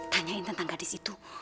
tanyain tentang gadis itu